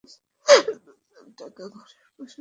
দুই লাখ টাকায় ঘরের পাশের জমিতে শুরু করেন লেয়ার মুরগির খামার।